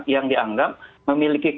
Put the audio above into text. yang dianggap memiliki